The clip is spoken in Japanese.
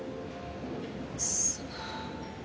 その。